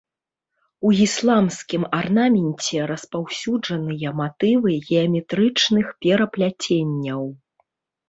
У ісламскім арнаменце распаўсюджаныя матывы геаметрычных перапляценняў.